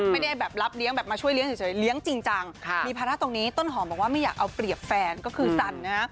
ไม่ได้แบบรับเลี้ยงแบบมาช่วยเลี้ยเฉยเลี้ยงจริงจังมีภาระตรงนี้ต้นหอมบอกว่าไม่อยากเอาเปรียบแฟนก็คือสันนะฮะ